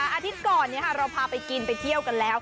อาทิตย์ก่อนเราพาไปกินไปเที่ยวกันแล้ว